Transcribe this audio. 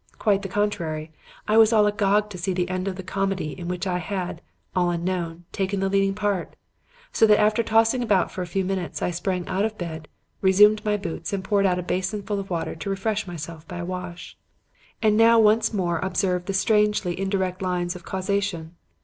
Quite the contrary. I was all agog to see the end of the comedy in which I had, all unknown, taken the leading part; so that after tossing about for a few minutes I sprang out of bed, resumed my boots and poured out a basin full of water to refresh myself by a wash. "And now once more observe the strangely indirect lines of causation.